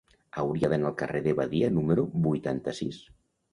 Hauria d'anar al carrer de Badia número vuitanta-sis.